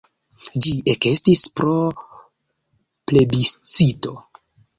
Ĝi ekestis pro plebiscito.